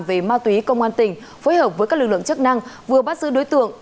về ma túy công an tỉnh phối hợp với các lực lượng chức năng vừa bắt giữ đối tượng